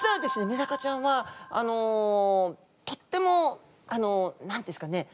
メダカちゃんはとってもあの何て言うんですかねえ！？